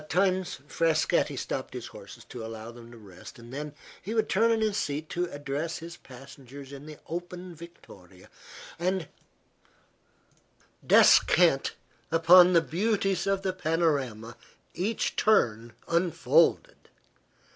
At times Frascatti stopped his horses to allow them to rest, and then he would turn in his seat to address his passengers in the open victoria and descant upon the beauties of the panorama each turn unfolded.